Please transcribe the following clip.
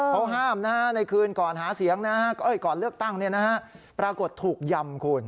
เขาห้ามในคืนก่อนหาเสียงก่อนเลือกตั้งปรากฏถูกยำคุณ